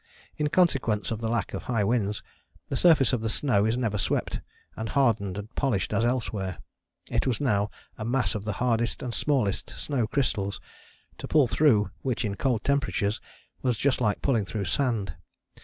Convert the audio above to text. In consequence of the lack of high winds the surface of the snow is never swept and hardened and polished as elsewhere: it was now a mass of the hardest and smallest snow crystals, to pull through which in cold temperatures was just like pulling through sand.